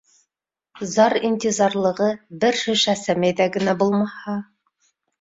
Зар-интизарлығы бер шешә сәмәйҙә генә булмаһа.